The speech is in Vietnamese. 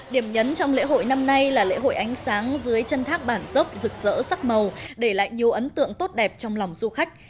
điểm nhấn trong lễ hội năm nay là lễ hội ánh sáng dưới chân thác bản dốc rực rỡ sắc màu để lại nhiều ấn tượng tốt đẹp trong lòng du khách